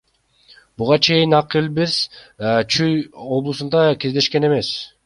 Буга чейин илбирстер Чүй облусунда кездешкен эмес.